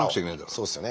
そうですよね。